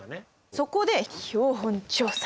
そこで標本調査。